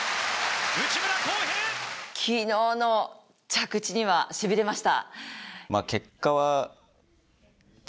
昨日の着地にはしびれました。